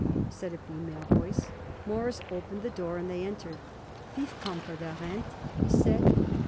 said a female voice. Morris opened the door and they entered. "We've come for the rent," he said.